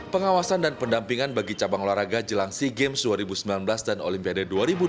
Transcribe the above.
pengawasan dan pendampingan bagi cabang olahraga jelang sea games dua ribu sembilan belas dan olimpiade dua ribu dua puluh